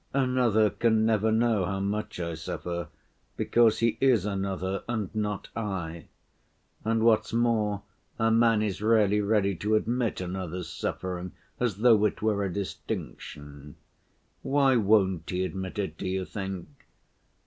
Another can never know how much I suffer, because he is another and not I. And what's more, a man is rarely ready to admit another's suffering (as though it were a distinction). Why won't he admit it, do you think?